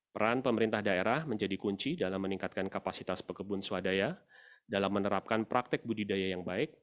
peran pemerintah daerah menjadi kunci dalam meningkatkan kapasitas pekebun swadaya dalam menerapkan praktek budidaya yang baik